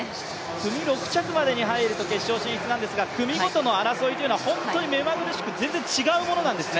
組６着まで入ると決勝進出なんですが組ごとの争いというのは本当に目まぐるしく違うものなんですね。